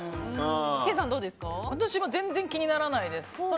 私も全然気にならないですね。